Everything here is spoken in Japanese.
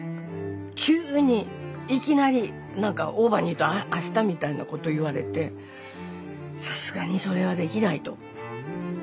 急にいきなり何かオーバーに言うとあしたみたいなことを言われてさすがにそれはできないと。